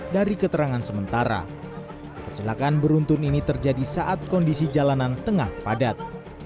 dari keterangan sementara kecelakaan beruntun ini terjadi saat kondisi jalanan tengah padat